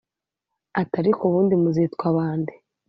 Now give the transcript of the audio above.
ati ariko ubundi muzitwa bande?